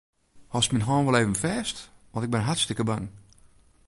Hâldst myn hân wol even fêst, want ik bin hartstikke bang.